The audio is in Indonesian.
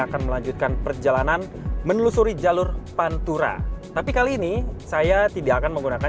akan melanjutkan perjalanan menelusuri jalur pantura tapi kali ini saya tidak akan menggunakan